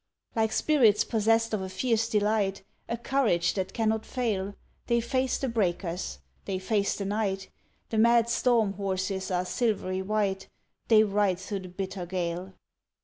Like spirits possessed of a fierce delight, A courage that cannot fail, They face the breakers they face the night The mad storm horses are silvery white, They ride through the bitter gale!